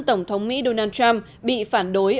tổng thống mỹ donald trump bị phản đối